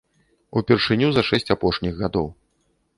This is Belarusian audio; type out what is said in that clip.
Упершыню за шэсць апошніх гадоў.